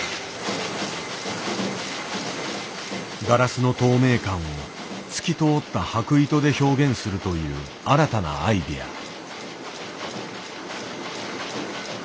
ガラスの透明感を透き通った箔糸で表現するという新たなアイデア。